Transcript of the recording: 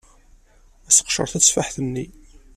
Seqcer tateffaḥt-nni.